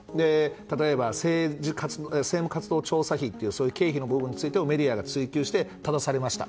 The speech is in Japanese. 例えば、政務活動調査費というそういう経費の部分についてはメディアが追及してただされました。